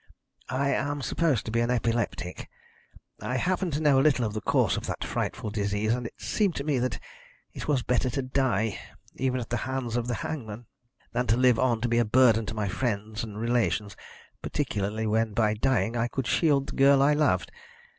"I am supposed to be an epileptic. I happen to know a little of the course of that frightful disease, and it seemed to me that it was better to die even at the hands of the hangman than to live on to be a burden to my friends and relations, particularly when by dying I could shield the girl I loved.